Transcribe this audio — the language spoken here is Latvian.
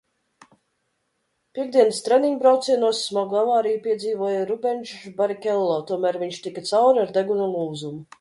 Piektdienas treniņbraucienos smagu avāriju piedzīvoja Rubenšs Barikello, tomēr viņš tika cauri ar deguna lūzumu.